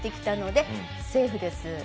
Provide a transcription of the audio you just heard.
セーフです。